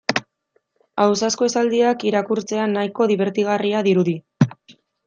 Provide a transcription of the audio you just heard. Ausazko esaldiak irakurtzea nahiko dibertigarria dirudi.